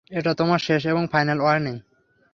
এটা তোমার শেষ এবং ফাইনাল ওয়ার্নিং।